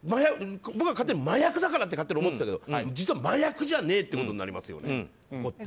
僕は勝手に麻薬だからって思ってたけど実は麻薬じゃねえってことになりますよね。